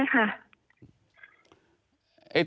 ใช่ค่ะ